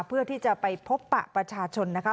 เพื่อที่จะไปพบปะประชาชนนะคะ